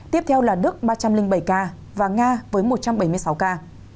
tiếp theo là đức ba trăm linh bảy ca và nga với một trăm bảy mươi sáu ca